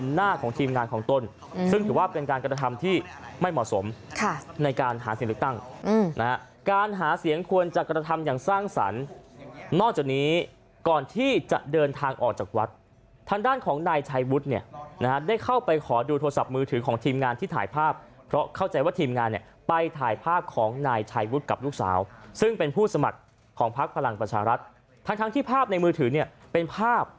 หาเสียงลึกตั้งนะครับการหาเสียงควรจะกระทำอย่างสร้างสรรค์นอกจากนี้ก่อนที่จะเดินทางออกจากวัดทางด้านของนายชัยวุฒิเนี่ยนะครับได้เข้าไปขอดูโทรศัพท์มือถือของทีมงานที่ถ่ายภาพเพราะเข้าใจว่าทีมงานเนี่ยไปถ่ายภาพของนายชัยวุฒิกับลูกสาวซึ่งเป็นผู้สมัครของภาคพลังประชารัฐทั้งที่ภ